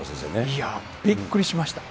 いや、びっくりしました。